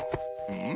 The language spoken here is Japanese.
うん？